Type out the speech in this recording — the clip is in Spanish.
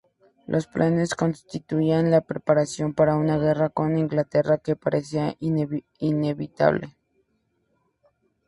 Los planes constituían la preparación para una guerra con Inglaterra, que parecía inevitable.